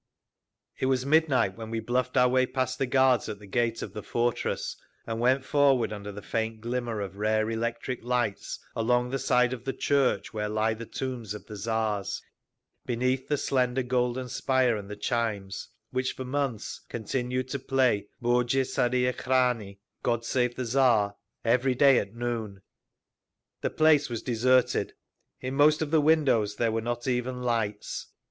It was midnight when we bluffed our past the guards at the gate of the fortress, and went forward under the faint glimmer of rare electric lights along the side of the church where lie the tombs of the Tsars, beneath the slender golden spire and the chimes, which, for months, continued to play Bozhe Tsaria Khrani every day at noon…. The place was deserted; in most of the windows there were not even lights.